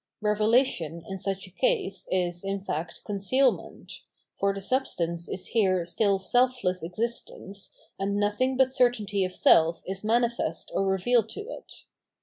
Revelation iu such a case is, ia fact, concealment ; for the substance is here stiU self less existence and nothing but certainty of self is manifest or revealed to it.